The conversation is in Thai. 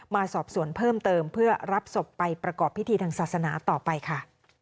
มาสอบสวนเพิ่มเติมเพื่อรับศพไปประกอบพิธีทางศาสนาต่อไปค่ะ